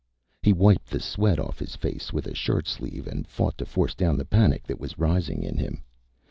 He wiped the sweat off his face with a shirt sleeve and fought to force down the panic that was rising in him.